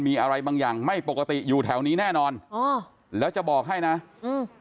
มีอะไรบางอย่างไม่ปกติอยู่แถวนี้แน่นอนอ๋อแล้วจะบอกให้นะอืม